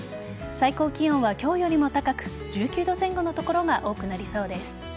最高気温は今日よりも高く１９度前後の所が多くなりそうです。